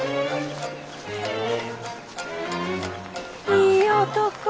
いい男！